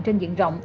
trên diện rộng